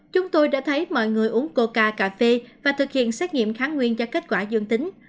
chúng tôi đã thấy mọi người uống cô cà phê và thực hiện xét nghiệm kháng nguyên cho kết quả dương tính